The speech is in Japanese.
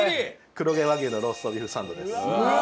黒毛和牛のローストビーフサンドです。